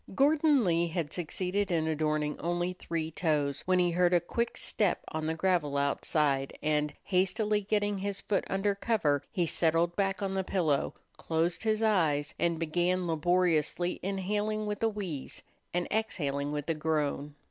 Gordon Lee had succeeded in adorning only three toes when he heard a quick step on the gravel outside and, hastily getting his foot under cover, he settled back on the pillow, closed his eyes, and began laboriously inhaling with a wheeze and exhaling with a groan.